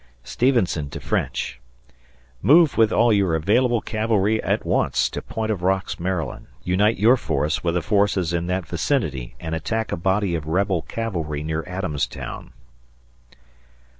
[Stevenson to French] Move with all your available cavalry at once to Point of Rocks, Md.; unite your force with the forces in that vicinity and attack a body of rebel cavalry near Adamstown.